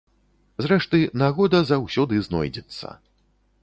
Зрэшты, нагода заўсёды знойдзецца.